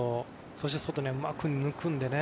そして、外にうまく抜くんでね。